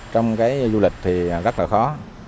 trong cái du lịch thì rất là khó